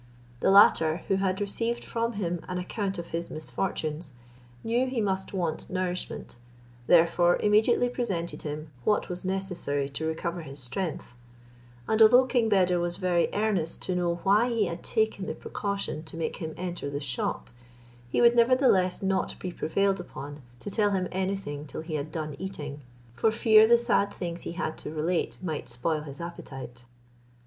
The latter, who had received from him an account of his misfortunes, knew he must want nourishment, therefore immediately presented him what was necessary to recover his strength; and although King Beder was very earnest to know why he had taken the precaution to make him enter the shop, he would nevertheless not be prevailed upon to tell him anything till he had done eating, for fear the sad things he had to relate might spoil his appetite.